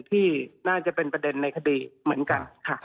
ที่น่าจะเป็นประเด็นในคดีเหมือนกันค่ะ